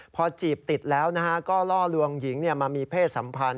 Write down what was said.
พอจีบติดแล้วก็ล่อลวงหญิงมามีเพศสัมพันธ